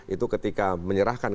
itu ketika menyerahkan